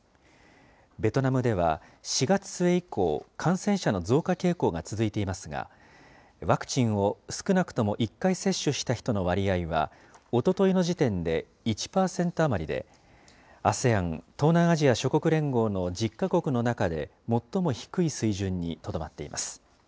ベトナムでは４月末以降、感染者の増加傾向が続いていますが、ワクチンを少なくとも１回接種した人の割合は、おとといの時点で１％余りで、ＡＳＥＡＮ・東南アジア諸国連合の１０か国の中で最も低い水準にとどまっています。